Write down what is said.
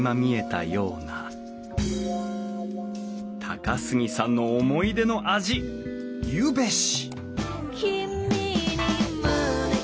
高杉さんの思い出の味ゆべし！